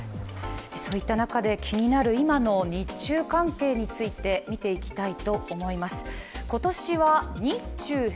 そういった中で、気になる今の日中関係についてみていきます。